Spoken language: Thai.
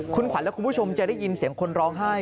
คุณขวัญและคุณผู้ชมจะได้ยินเสียงคนร้องไห้